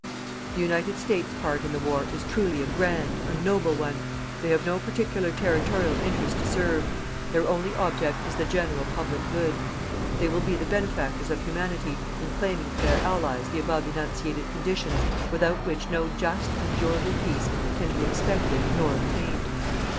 The United States part in the war is truly a grand, a noble one. They have no particular territorial interest to serve. Their only object is the general public good. They will be the benefactors of Humanity in claiming for their Allies the above enunciated conditions without which no JUST and DURABLE peace can be expected nor obtained.